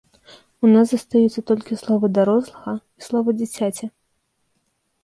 У нас застаюцца толькі словы дарослага і словы дзіцяці.